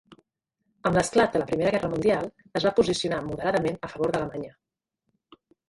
Amb l'esclat de la Primera Guerra Mundial, es va posicionar, moderadament, a favor d'Alemanya.